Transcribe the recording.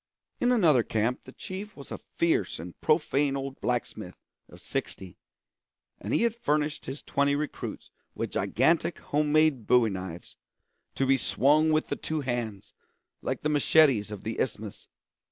In another camp the chief was a fierce and profane old blacksmith of sixty, and he had furnished his twenty recruits with gigantic home made bowie knives, to be swung with the two hands, like the machetes of the Isthmus.